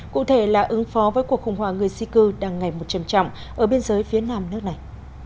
cụ thể là ứng phó với cuộc khủng hoảng người di cư đang ngày một chầm trọng ở biên giới phía nam nước này